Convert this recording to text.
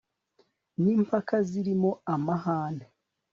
n impaka zirimo amahane